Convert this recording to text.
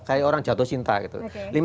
kayak orang jatuh cinta gitu